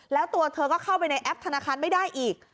แล้วตัวเธอก็เข้าไปในแอปธนาคารไม่ได้อีก